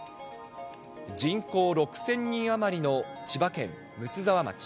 人口６０００人余りの千葉県睦沢町。